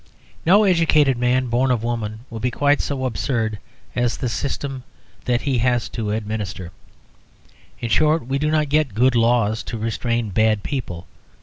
No educated man born of woman will be quite so absurd as the system that he has to administer. In short, we do not get good laws to restrain bad people.